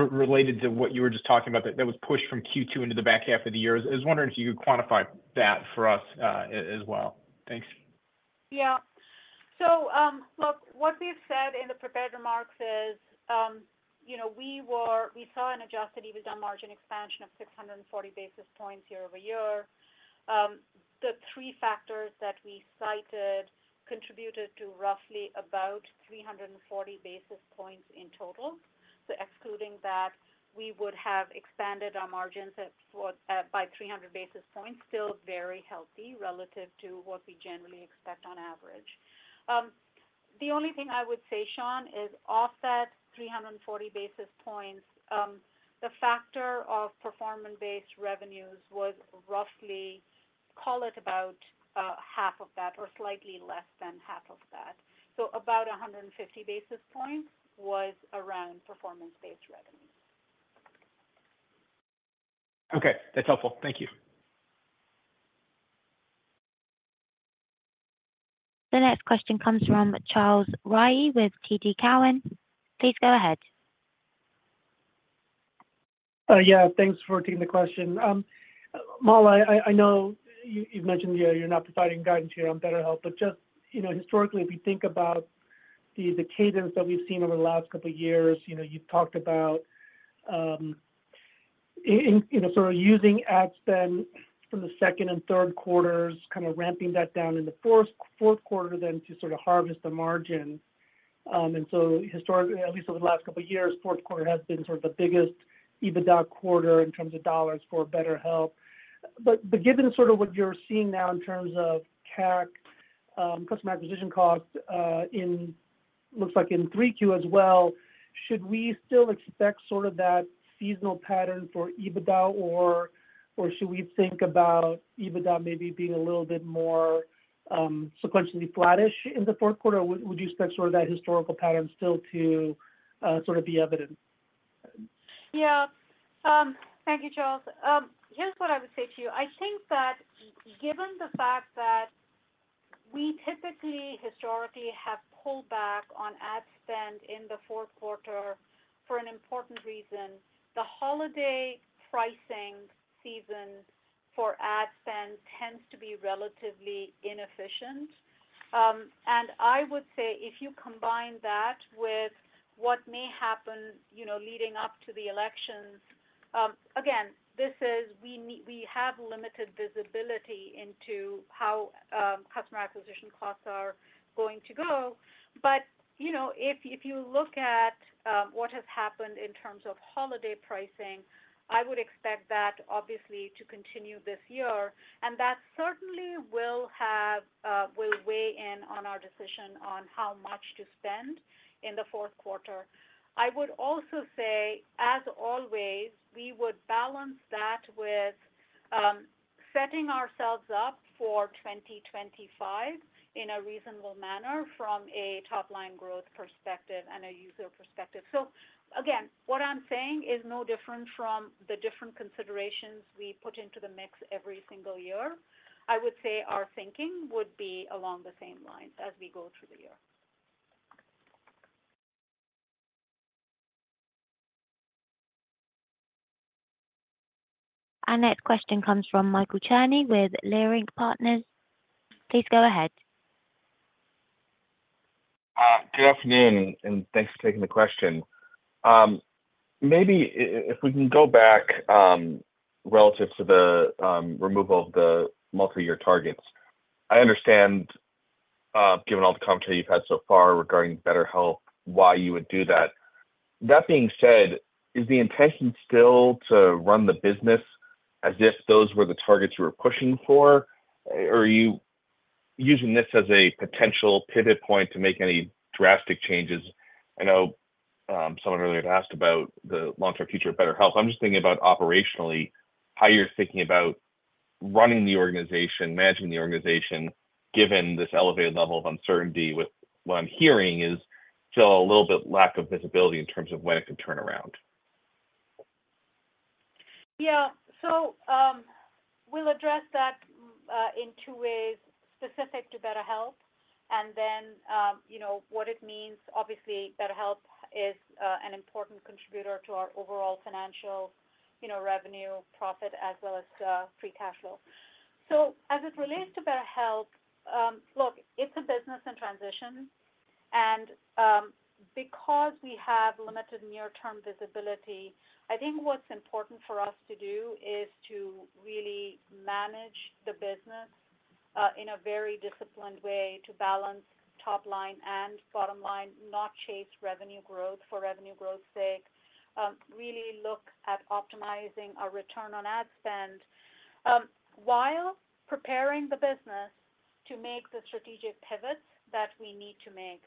Speaker 12: related to what you were just talking about that was pushed from Q2 into the back half of the year. I was wondering if you could quantify that for us as well. Thanks.
Speaker 4: Yeah. So look, what we've said in the prepared remarks is we saw an adjusted EBITDA margin expansion of 640 basis points year-over-year. The three factors that we cited contributed to roughly about 340 basis points in total. So excluding that, we would have expanded our margins by 300 basis points, still very healthy relative to what we generally expect on average. The only thing I would say, Sean, is off that 340 basis points, the factor of performance-based revenues was roughly call it about half of that or slightly less than half of that. So about 150 basis points was around performance-based revenue.
Speaker 12: Okay. That's helpful. Thank you.
Speaker 1: The next question comes from Charles Rhyee with TD Cowen. Please go ahead.
Speaker 13: Yeah. Thanks for taking the question. Mala, I know you've mentioned you're not providing guidance here on Better Help, but just historically, if you think about the cadence that we've seen over the last couple of years, you've talked about sort of using ad spend from the second and Q3s, kind of ramping that down in the Q4 then to sort of harvest the margin. And so historically, at least over the last couple of years, Q4 has been sort of the biggest EBITDA quarter in terms of dollars for Better Help. But given sort of what you're seeing now in terms of CAC, customer acquisition costs, it looks like in 3Q as well, should we still expect sort of that seasonal pattern for EBITDA or should we think about EBITDA maybe being a little bit more sequentially flattish in the Q4? Would you expect sort of that historical pattern still to sort of be evident?
Speaker 4: Yeah. Thank you, Charles. Here's what I would say to you. I think that given the fact that we typically historically have pulled back on ad spend in the Q4 for an important reason, the holiday pricing season for ad spend tends to be relatively inefficient. I would say if you combine that with what may happen leading up to the elections, again, this is, we have limited visibility into how customer acquisition costs are going to go. But if you look at what has happened in terms of holiday pricing, I would expect that obviously to continue this year. That certainly will weigh in on our decision on how much to spend in the Q4. I would also say, as always, we would balance that with setting ourselves up for 2025 in a reasonable manner from a top-line growth perspective and a user perspective. So again, what I'm saying is no different from the different considerations we put into the mix every single year. I would say our thinking would be along the same lines as we go through the year.
Speaker 1: Our next question comes from Michael Cherny with Leerink Partners. Please go ahead.
Speaker 14: Good afternoon, and thanks for taking the question. Maybe if we can go back relative to the removal of the multi-year targets. I understand, given all the commentary you've had so far regarding BetterHelp, why you would do that. That being said, is the intention still to run the business as if those were the targets you were pushing for, or are you using this as a potential pivot point to make any drastic changes? I know someone earlier had asked about the long-term future of BetterHelp. I'm just thinking about operationally how you're thinking about running the organization, managing the organization given this elevated level of uncertainty. What I'm hearing is still a little bit lack of visibility in terms of when it could turn around.
Speaker 4: Yeah. So we'll address that in two ways specific to BetterHelp and then what it means. Obviously, BetterHelp is an important contributor to our overall financial revenue, profit, as well as free cash flow. So as it relates to BetterHelp, look, it's a business in transition. Because we have limited near-term visibility, I think what's important for us to do is to really manage the business in a very disciplined way to balance top-line and bottom line, not chase revenue growth for revenue growth's sake, really look at optimizing our return on ad spend while preparing the business to make the strategic pivots that we need to make.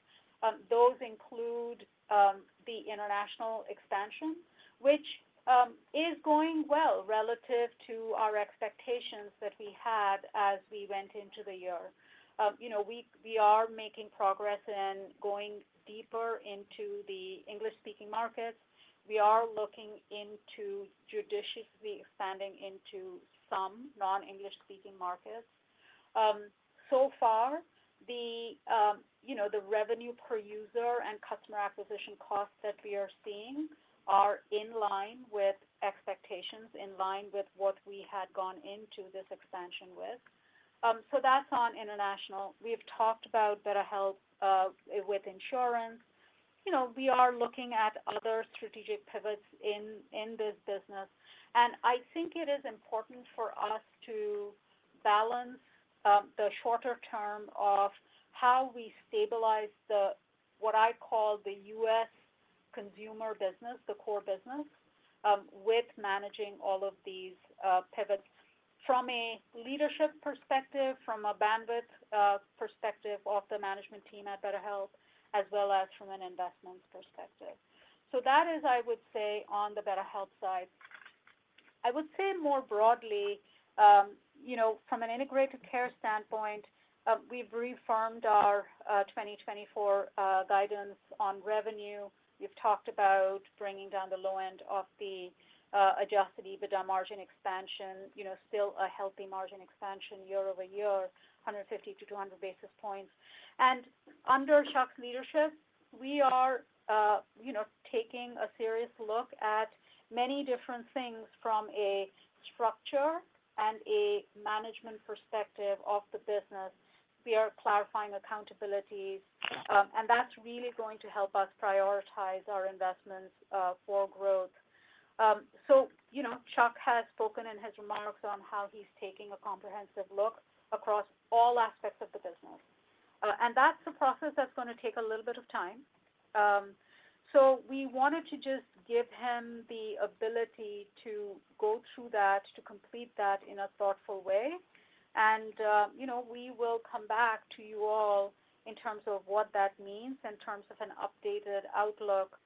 Speaker 4: Those include the international expansion, which is going well relative to our expectations that we had as we went into the year. We are making progress in going deeper into the English-speaking markets. We are looking into judiciously expanding into some non-English-speaking markets. So far, the revenue per user and customer acquisition costs that we are seeing are in line with expectations, in line with what we had gone into this expansion with. So that's on international. We've talked about BetterHelp with insurance. We are looking at other strategic pivots in this business. I think it is important for us to balance the shorter term of how we stabilize what I call the US consumer business, the core business, with managing all of these pivots from a leadership perspective, from a bandwidth perspective of the management team at BetterHelp, as well as from an investment perspective. So that is, I would say, on the BetterHelp side. I would say more broadly, from an Integrated Care standpoint, we've reaffirmed our 2024 guidance on revenue. We've talked about bringing down the low end of the Adjusted EBITDA margin expansion, still a healthy margin expansion year-over-year, 150-200 basis points. Under Chuck's leadership, we are taking a serious look at many different things from a structure and a management perspective of the business. We are clarifying accountabilities. And that's really going to help us prioritize our investments for growth. So Chuck has spoken in his remarks on how he's taking a comprehensive look across all aspects of the business. And that's a process that's going to take a little bit of time. So we wanted to just give him the ability to go through that, to complete that in a thoughtful way. And we will come back to you all in terms of what that means in terms of an updated outlook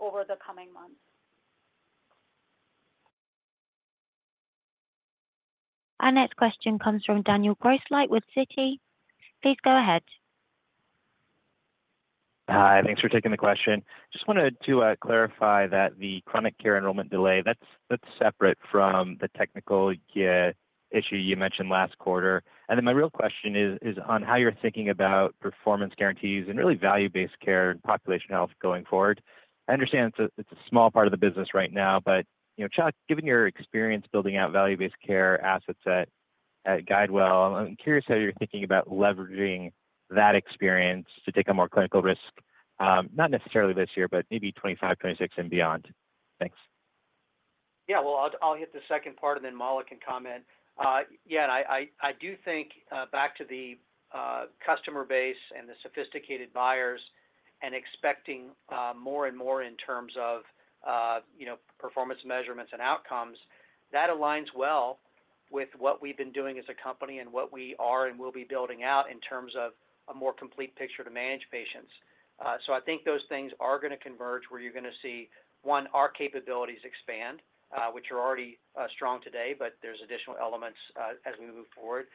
Speaker 4: over the coming months.
Speaker 1: Our next question comes from Daniel Grosslight with Citi. Please go ahead.
Speaker 15: Hi. Thanks for taking the question. Just wanted to clarify that the Chronic Care enrollment delay, that's separate from the technical issue you mentioned last quarter. And then my real question is on how you're thinking about performance guarantees and really value-based care and population health going forward. I understand it's a small part of the business right now. But Chuck, given your experience building out value-based care assets at GuideWell, I'm curious how you're thinking about leveraging that experience to take on more clinical risk, not necessarily this year, but maybe 2025, 2026, and beyond. Thanks. Yeah. Well, I'll hit the second part, and then Mala can comment.
Speaker 3: Yeah. And I do think back to the customer base and the sophisticated buyers and expecting more and more in terms of performance measurements and outcomes. That aligns well with what we've been doing as a company and what we are and will be building out in terms of a more complete picture to manage patients. So I think those things are going to converge where you're going to see, one, our capabilities expand, which are already strong today, but there's additional elements as we move forward,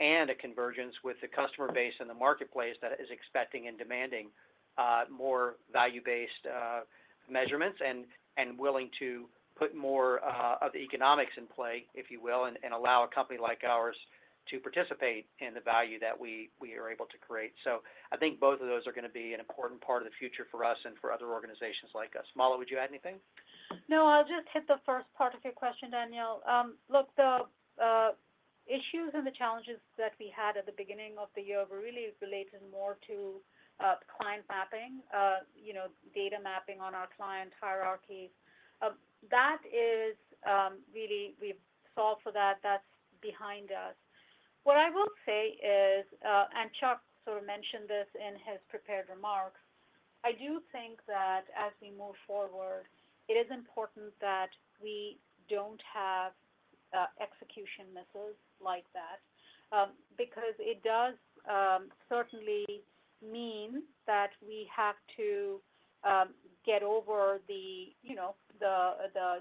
Speaker 3: and a convergence with the customer base and the marketplace that is expecting and demanding more value-based measurements and willing to put more of the economics in play, if you will, and allow a company like ours to participate in the value that we are able to create. So I think both of those are going to be an important part of the future for us and for other organizations like us. Mala, would you add anything?
Speaker 4: No, I'll just hit the first part of your question, Daniel. Look, the issues and the challenges that we had at the beginning of the year were really related more to client mapping, data mapping on our client hierarchies. That is, really, we've solved for that. That's behind us. What I will say is, and Chuck sort of mentioned this in his prepared remarks, I do think that as we move forward, it is important that we don't have execution misses like that because it does certainly mean that we have to get over the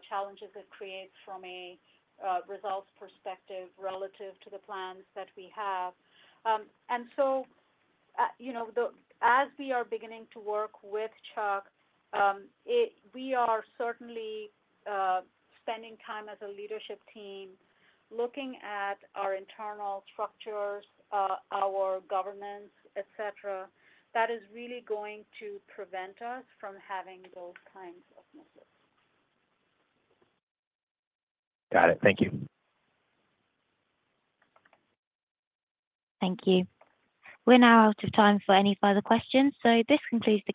Speaker 4: challenges it creates from a results perspective relative to the plans that we have. And so as we are beginning to work with Chuck, we are certainly spending time as a leadership team looking at our internal structures, our governance, etc. That is really going to prevent us from having those kinds of misses.
Speaker 15: Got it. Thank you.
Speaker 1: Thank you. We're now out of time for any further questions. So this concludes the.